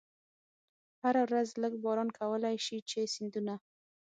هره ورځ لږ باران کولای شي چې سیندونه.